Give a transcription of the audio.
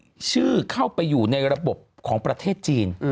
ขั้นตอนให้ชื่อเข้าไปอยู่ในระบบของประเทศจีน